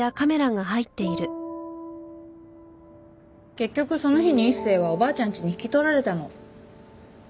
結局その日に一星はおばあちゃんちに引き取られたの。